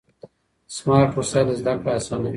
سمارټ وسایل زده کړه اسانوي.